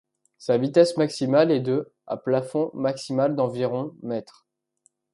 Sa vitesse maximale est de à un plafond maximal d'environ mètres.